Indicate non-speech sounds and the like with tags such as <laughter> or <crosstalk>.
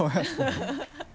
ハハハ <laughs>